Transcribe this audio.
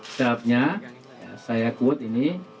setelahnya saya quote ini